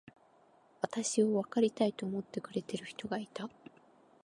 私をわかりたいと思ってくれる人がいた。